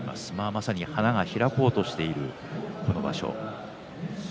まさに花が開こうとしている今場所です。